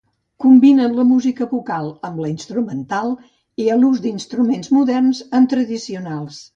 Combinen la música vocal amb la instrumental i l'ús d'instruments moderns amb tradicionals.